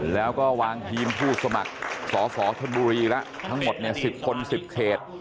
แล้วก็วางทีมผู้สมัครสอสอธนบุรีแล้วทั้งหมด๑๐คน๑๐เขต